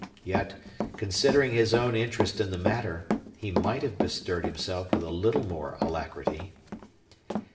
Yet, considering his own interest in the matter, he might have bestirred himself with a little more alacrity.